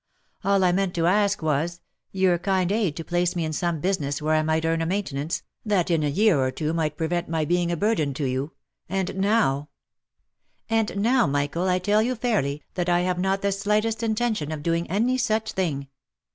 All I meant to ask was, your kind aid to place me in some business where I might earn a maintenance, that in a year or two might prevent my being a burden to you — and now —"" And now, Michael, I tell you fairly, that I have not the slightest intention of doing any such thing.